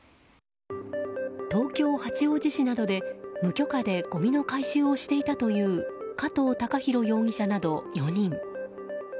東京・八王子市などで無許可でごみの回収をしていたという加藤恭大容疑者など４人。